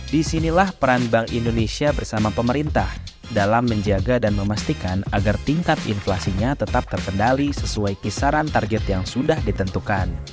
disinilah peran bank indonesia bersama pemerintah dalam menjaga dan memastikan agar tingkat inflasinya tetap terkendali sesuai kisaran target yang sudah ditentukan